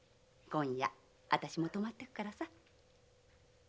今夜私も泊まっていくからさ。